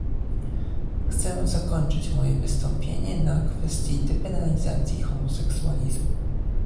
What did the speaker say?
Chcę zakończyć moje wystąpienie na kwestii depenalizacji homoseksualizmu